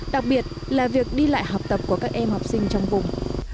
đặc biệt là việc đi lại học tập của các em học sinh trong vùng